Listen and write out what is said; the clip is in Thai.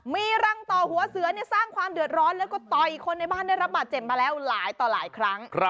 มีรังต่อหัวเสือสร้างความเดือดร้อนแล้วก็ต่อยคนในบ้านได้รับบาดเจ็บมาแล้วหลายต่อหลายครั้ง